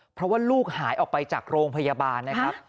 เพราะว่าลูกหายออกไปจากโรงพยาบาลนะครับ